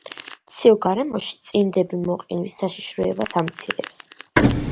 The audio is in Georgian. ცივ გარემოში, წინდები მოყინვის საშიშროებას ამცირებს.